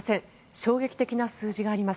衝撃的な数字があります。